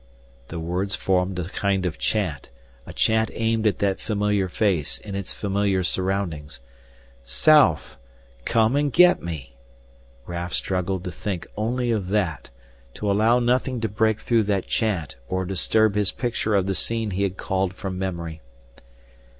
The words formed a kind of chant, a chant aimed at that familiar face in its familiar surroundings. "South come and get me " Raf struggled to think only of that, to allow nothing to break through that chant or disturb his picture of the scene he had called from memory.